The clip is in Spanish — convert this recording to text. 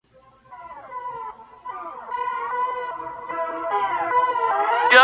En ella recrea cómicamente a tres tías suyas.